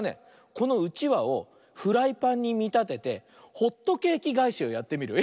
このうちわをフライパンにみたててホットケーキがえしをやってみるよ。